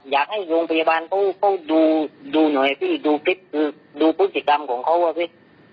อยากให้โรงพยาบาลต้องดูหน่อยพี่ดูพฤษกรรมของเขาว่าพี่